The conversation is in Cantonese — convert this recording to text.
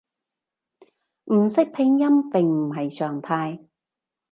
唔識拼音並唔係常態